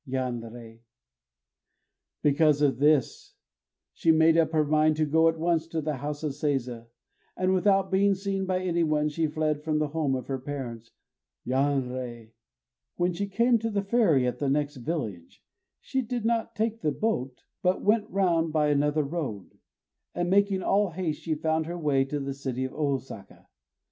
Yanrei! Because of this she made up her mind to go at once to the house of Seiza. And, without being seen by any one, she fled from the home of her parents. Yanrei! When she came to the ferry at the next village, she did not take the boat, but went round by another road; and making all haste she found her way to the city of Ôsaka.